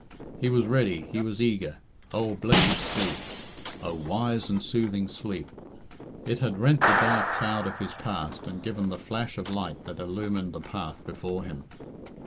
He was ready, he was eager. Oh, blessed sleep! Oh, wise and soothing sleep I It had rent the dark cloud of his past and given the flash of light that illumined the path before him.